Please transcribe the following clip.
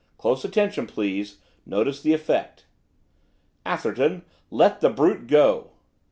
Close attention, please. Notice the effect.' 'Atherton, let the brute go!